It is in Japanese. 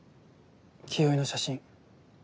清居の写真。